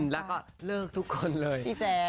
แล้วก็เลิกทุกคนเลย